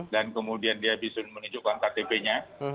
dan kemudian dia bisa menunjukkan ktp nya